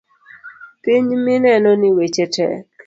Piny minenoni weche tek .